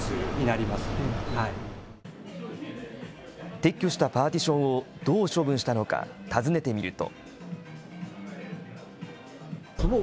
撤去したパーティションをどう処分したのか、尋ねてみると。